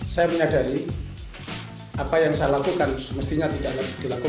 saya menyadari apa yang saya lakukan mestinya tidak dilakukan oleh pemerintah